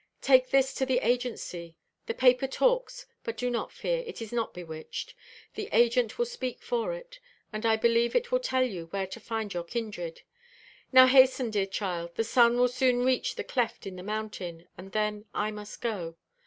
"Take this to the agency. The paper talks; but do not fear, it is not bewitched. The agent will speak for it, and I believe it will tell you where to find your kindred. Now hasten, dear child; the sun will soon reach the cleft in the mountain, and then I must go.